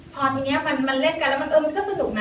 พอทีนี้มันเล่นกันแล้วมันก็สนุกนะ